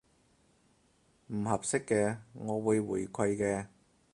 唔合適嘅，我會回饋嘅